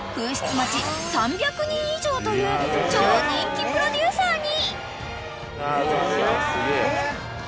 待ち３００人以上という超人気プロデューサーに］